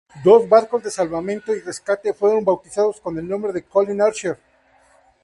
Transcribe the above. Dos barcos de salvamento y rescate fueron bautizados con el nombre de Colin Archer.